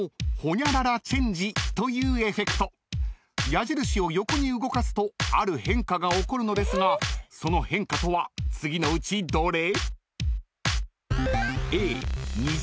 ［矢印を横に動かすとある変化が起こるのですがその変化とは次のうちどれ？］